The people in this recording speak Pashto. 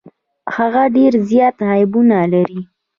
هغه ډیر زيات عيبونه لري.